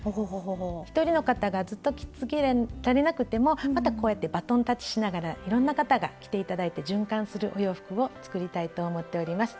一人の方がずっと着続けられなくてもまたこうやってバトンタッチしながらいろんな方が着て頂いて循環するお洋服を作りたいと思っております。